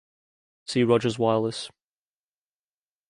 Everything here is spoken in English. See Rogers Wireless.